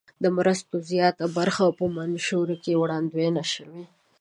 د مرستو زیاته برخه په منشور کې وړاندوینه شوې.